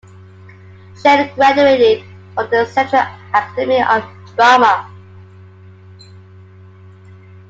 Chen graduated from the Central Academy of Drama.